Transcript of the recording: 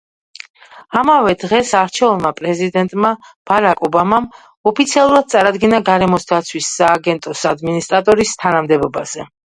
ამავე დღეს არჩეულმა პრეზიდენტმა ბარაკ ობამამ ოფიციალურად წარადგინა გარემოს დაცვის სააგენტოს ადმინისტრატორის თანამდებობაზე.